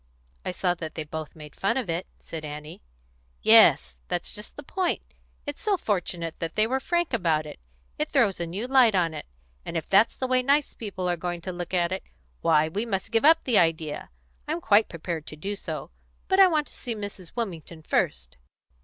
"I saw that they both made fun of it," said Annie. "Yes; that's just the point. It's so fortunate they were frank about it. It throws a new light on it; and if that's the way nice people are going to look at it, why, we must give up the idea. I'm quite prepared to do so. But I want to see Mrs. Wilmington first."